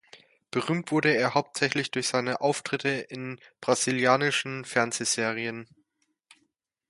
Berühmt wurde er hauptsächlich durch seine Auftritte in brasilianischen Fernsehserien.